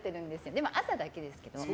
でも朝だけですけど。